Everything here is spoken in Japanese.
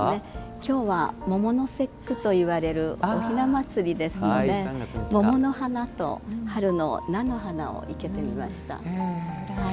今日は桃の節句といわれるおひな祭りですので桃の花と春の菜の花を生けてみました。